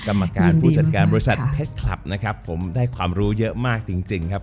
กรรมการผู้จัดการบริษัทเพชรคลับนะครับผมได้ความรู้เยอะมากจริงจริงครับ